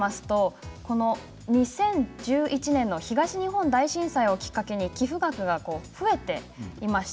２０１１年の東日本大震災をきっかけに寄付額が増えています。